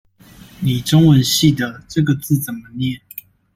你中文系的，這個字怎麼念？